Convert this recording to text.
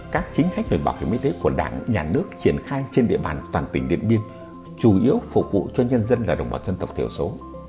các chính sách về bảo hiểm y tế của đảng nhà nước triển khai trên địa bàn toàn tỉnh điện biên chủ yếu phục vụ cho nhân dân là đồng bào dân tộc thiểu số